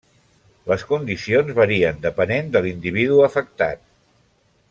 Les condicions varien depenent de l'individu afectat.